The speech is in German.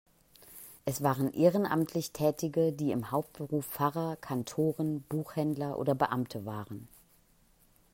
Es waren ehrenamtlich Tätige, die im Hauptberuf Pfarrer, Kantoren, Buchhändler oder Beamte waren.